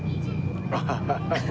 アハハハハ。